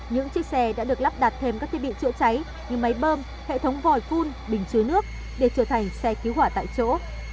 những chiếc xe đã được lắp đặt thêm các thiết bị chữa cháy như máy bơm hệ thống vòi phun bình chứa nước để trở thành xe cứu hỏa tại chỗ